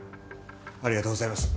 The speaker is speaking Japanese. ありがとうございます。